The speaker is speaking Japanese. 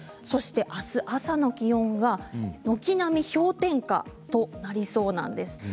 そして、あすの朝の気温が軒並み氷点下となりそうなんです。